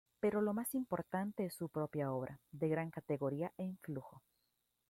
Pero lo más importante es su propia obra, de gran categoría e influjo.